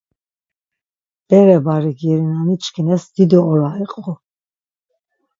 Bere barik yeri na niçkines dido ora iqu.